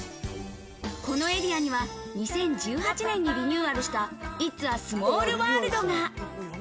このエリアには、２０１８年にリニューアルした、イッツ・ア・スモールワールドが。